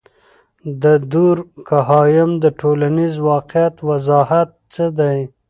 د دورکهايم د ټولنیز واقعیت وضاحت څه دی؟